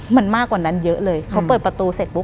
มันมากกว่านั้นเยอะเลยเขาเปิดประตูเสร็จปุ๊